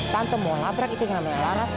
tante mau nabrak itu yang namanya laras